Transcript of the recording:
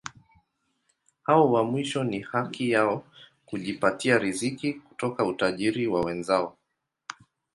Hao wa mwisho ni haki yao kujipatia riziki kutoka utajiri wa wenzao.